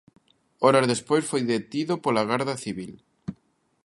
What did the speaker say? Horas despois foi detido pola Garda Civil.